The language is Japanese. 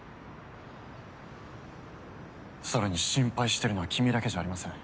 それに心配してるのは君だけじゃありません。